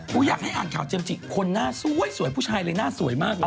อยากให้อ่านข่าวเจมส์จิคนหน้าสวยสวยผู้ชายเลยหน้าสวยมากเลย